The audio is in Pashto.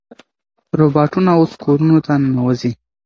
روباټونه اوس کورونو ته ننوځي.